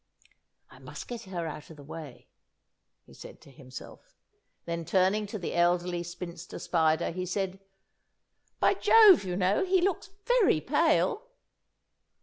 "I must get her out of the way," he said to himself. Then, turning to the Elderly Spinster Spider, he said, "By Jove, you know, he looks very pale."